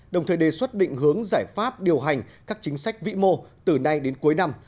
đồng thời đề xuất định hướng giải pháp điều hành các chính sách vĩ mô từ nay đến cuối năm